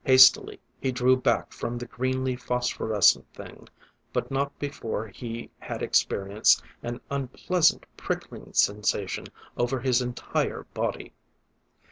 Hastily he drew back from the greenly phosphorescent thing but not before he had experienced an unpleasant prickling sensation over his entire body.